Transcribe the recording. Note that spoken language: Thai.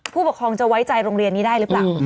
ผู้ปกครองจะไว้ใจโรงเรียนนี้ได้หรือเปล่า